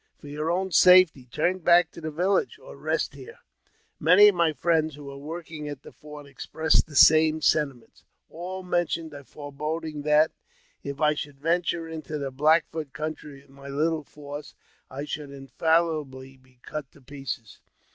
For your own safety, turn back to the village, or rest here." Many of my friends, who were working at the fort, expressed I the same sentiments; all mentioned a foreboding that, if I j should venture into the Black Foot country with my little I force, I should infallibly be cut to pieces.